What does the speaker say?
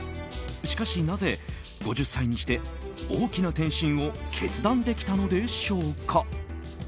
しかしなぜ、５０歳にして大きな転身を決断できたのでしょうか。